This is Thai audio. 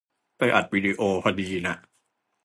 ไปอัดวิดีโอพอดีน่ะ